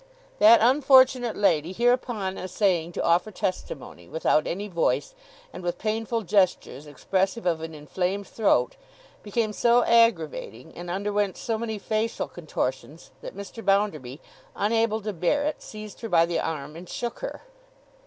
That unfortunate lady hereupon essaying to offer testimony, without any voice and with painful gestures expressive of an inflamed throat, became so aggravating and underwent so many facial contortions, that Mr. Bounderby, unable to bear it, seized her by the arm and shook her.